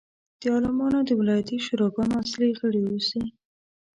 د عالمانو د ولایتي شوراګانو اصلي غړي اوسي.